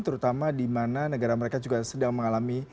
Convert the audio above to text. terutama di mana negara mereka juga sedang mengalami